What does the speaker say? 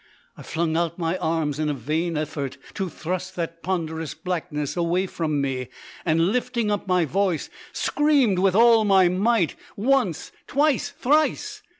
I flung out my arms in a vain effort to thrust that ponderous blackness away from me, and, lifting up my voice, screamed with all my might once, twice, thrice.